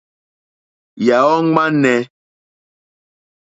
Yàɔ́ !ŋmánɛ́.